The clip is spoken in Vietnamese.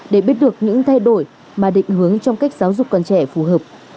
để biết được những thay đổi mà định hướng trong cách giáo dục còn trẻ phù hợp